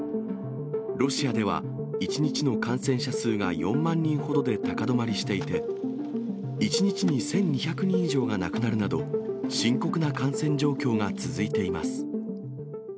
ロシアでは１日の感染者数が４万人ほどで高止まりしていて、１日に１２００人以上が亡くなるなど、深刻な感染状況が続いています。